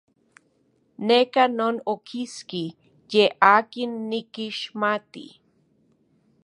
Neka non okiski ye akin nikixmati.